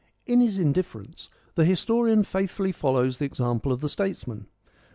In his indifference the historian faithfully follows the example of the statesman.